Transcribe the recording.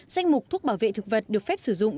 danh mục thuốc bảo vệ thực vật được phép sử dụng